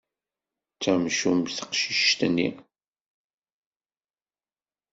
D tamcumt teqcict-nni.